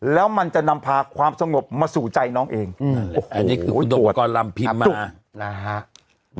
แล้วมันจะนำพาความสงบมาสู่ใจน้องเองอันนี้คือคุณดมกรรมพิมพ์มานะฮะ